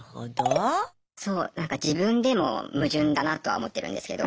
そうなんか自分でも矛盾だなとは思ってるんですけど。